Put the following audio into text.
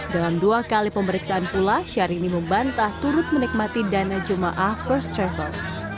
dalam dua kali pemeriksaan pula syahrini membantah turut menikmati dana jemaah first travel